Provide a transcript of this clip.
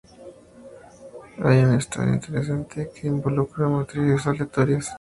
Hay una historia interesante que involucra matrices aleatorias.